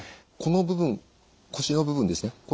この部分腰の部分ですね